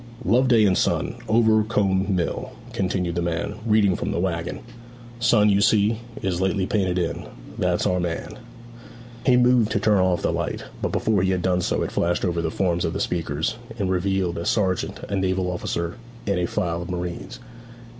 '"Loveday and Son, Overcombe Mill,"' continued the man, reading from the waggon. '"Son," you see, is lately painted in. That's our man.' He moved to turn off the light, but before he had done so it flashed over the forms of the speakers, and revealed a sergeant, a naval officer, and a file of marines.